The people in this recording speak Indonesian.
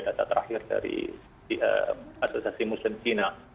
data terakhir dari asosiasi muslim china